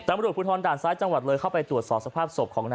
เมนุนทรทร์ด่านซ้ายจังหวัดเลยเข้าไปตรวจสอบสภาพสมของ